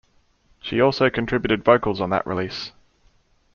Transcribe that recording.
She also contributed vocals on that release.